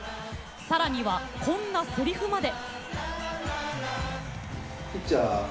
さらには、こんなせりふまで。